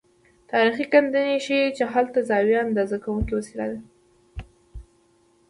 تاریخي کیندنې ښيي چې هلته زاویه اندازه کوونکې وسیله وه.